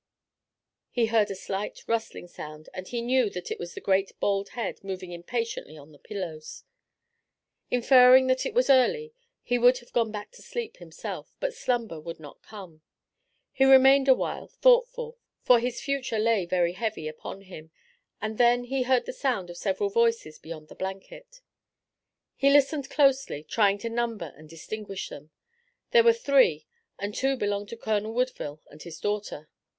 He heard a slight rustling sound and he knew that it was the great bald head moving impatiently on the pillows. Inferring that it was early, he would have gone back to sleep himself, but slumber would not come. He remained a while, thoughtful, for his future lay very heavy upon him, and then he heard the sound of several voices beyond the blanket. He listened closely, trying to number and distinguish them. There were three and two belonged to Colonel Woodville and his daughter.